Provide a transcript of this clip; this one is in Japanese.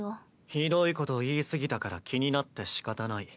「ひどいこと言い過ぎたから気になってしかたない。